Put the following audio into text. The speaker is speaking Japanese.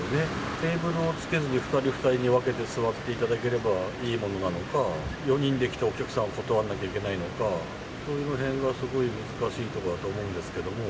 テーブルをつけずに２人２人に分けて座っていただければいいものなのか、４人で来たお客さんを断らないといけないのか、そのへんがすごい難しいとこだと思うんですけど。